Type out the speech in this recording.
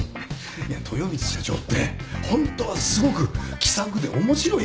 いや豊光社長ってホントはすごく気さくで面白い人なんですよ。